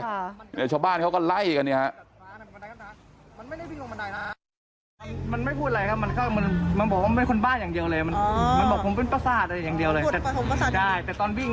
เดี๋ยวชาวบ้านเขาก็ไล่กันเนี่ยฮะ